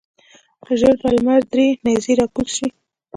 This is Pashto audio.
ژر به لمر درې نیزې راکوز شي.